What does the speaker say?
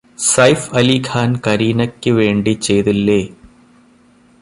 Saif Ali Khan കരീനക്ക് വേണ്ടി ചെയ്തില്ലേ